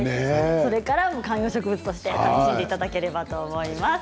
それから観葉植物として楽しんでいただければと思います。